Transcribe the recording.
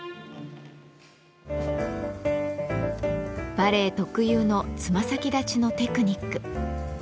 バレエ特有のつま先立ちのテクニック。